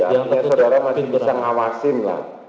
artinya saudara masih bisa ngawasin lah